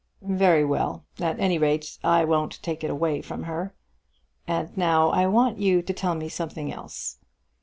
"Very well. At any rate I won't take it away from her. And now I want you to tell me something else.